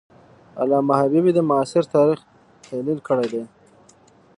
علامه حبیبي د معاصر تاریخ تحلیل کړی دی.